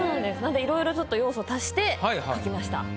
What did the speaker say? いろいろ要素を足して描きました。